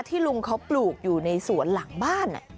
ลุงเขาปลูกอยู่ในสวนหลังบ้าน